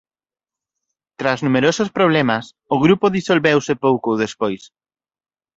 Tras numerosos problemas o grupo disolveuse pouco despois.